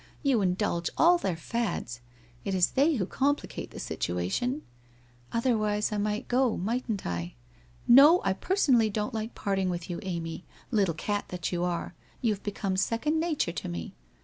You indulge all their fads. It is they who com plicate the situation '' Otherwise I might go, mightn't I?' 'No, I personally don't like parting with you, Amy, little cat that you are, you have become second nature to me.